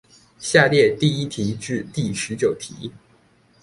下列第一題至第十九題